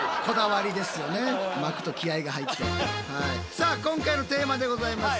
さあ今回のテーマでございます。